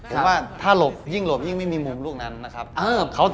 ผมว่าถ้าหลบยิ่งหลบยิ่งไม่มีมุมลูกนั้นนะครับ